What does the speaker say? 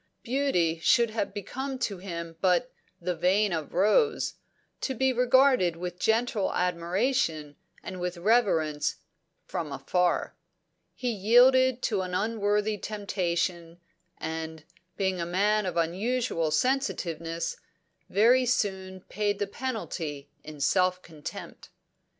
Beauty should have become to him but the "vein of rose," to be regarded with gentle admiration and with reverence, from afar. He yielded to an unworthy temptation, and, being a man of unusual sensitiveness, very soon paid the penalty in self contempt.